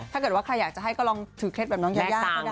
ถ้าใครอยากจะให้ก็ลองถือเคล็ดแบบน้องยายา